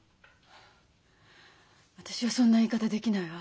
私はそんな言い方できないわ。